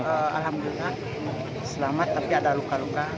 alhamdulillah selamat tapi ada luka luka